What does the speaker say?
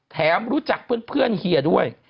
แล้วรู้จักเพื่อนด้วย